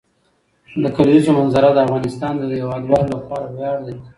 د کلیزو منظره د افغانستان د هیوادوالو لپاره ویاړ دی.